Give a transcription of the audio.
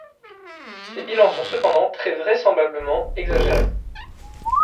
Ces bilans sont cependant très vraisemblablement exagérés.